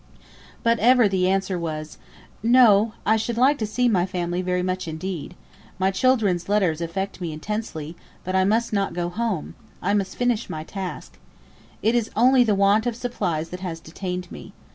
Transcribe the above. But ever the answer was, "No, I should like to see my family very much indeed. My children's letters affect me intensely; but I must not go home; I must finish my task. It is only the want of supplies that has detained me.